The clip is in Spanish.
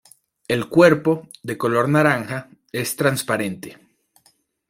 El cuerpo, de color naranja, es transparente.